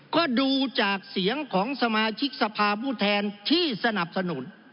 ก็ดูจากเสียงของสมาชิกสภาพผู้แทนที่สนับสนุน